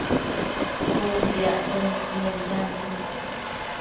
Cun piactsen ismebidannu